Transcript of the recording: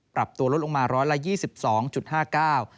ปรับตัวลดลงมาร้อยละ๒๒๕๙บาท